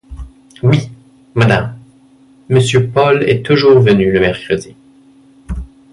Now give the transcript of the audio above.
Oui, madame, monsieur Paul est toujours venu le mercredi.